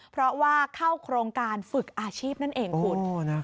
เพราะว่าเข้าโครงการฝึกอาชีพนั่นเองคุณ